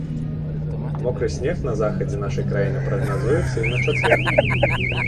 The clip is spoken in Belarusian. Мокры снег на захадзе нашай краіны прагназуецца і на чацвер.